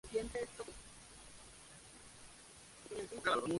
Se encontró hierro en abundancia en los alrededores de Coblenza.